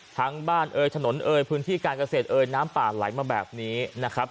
ทั้งบ้านเอ่ยถนนเอยพื้นที่การเกษตรเอยน้ำป่าไหลมาแบบนี้นะครับ